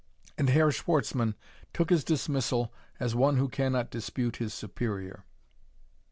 And Herr Schwartzmann took his dismissal as one who cannot dispute his superior.